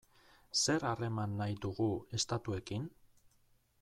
Zer harreman nahi dugu estatuekin?